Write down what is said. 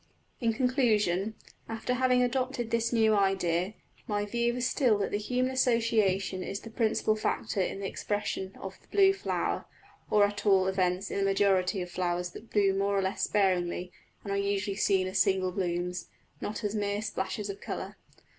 In conclusion, after having adopted this new idea, my view is still that the human association is the principal factor in the expression of the blue flower, or at all events in a majority of flowers that bloom more or less sparingly and are usually seen as single blooms, not as mere splashes of colour.